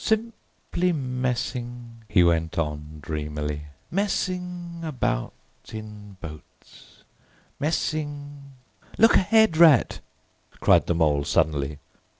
Simply messing," he went on dreamily: "messing—about—in—boats; messing——" "Look ahead, Rat!" cried the Mole suddenly.